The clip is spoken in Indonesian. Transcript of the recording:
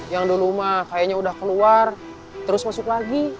yang dulu mah kayaknya udah keluar terus masuk lagi